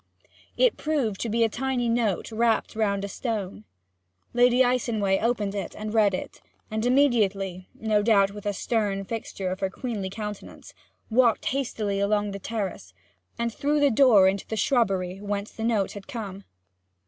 It proved to be a tiny note wrapped round a stone. Lady Icenway opened it and read it, and immediately (no doubt, with a stern fixture of her queenly countenance) walked hastily along the terrace, and through the door into the shrubbery, whence the note had come.